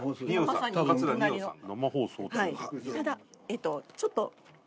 ただえっとちょっと。